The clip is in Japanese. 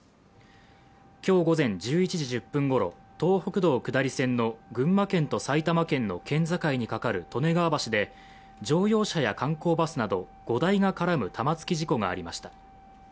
今日午前１１時１０分ごろ東北道下り線の群馬県と埼玉県の県境にかかる利根川橋で、乗用車や観光バスなど５台が絡む玉突き事故がありました。